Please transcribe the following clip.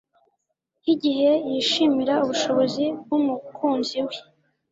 nkigihe yishimira ubushobozi bwumukunzi we